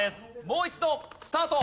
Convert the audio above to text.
もう一度スタート！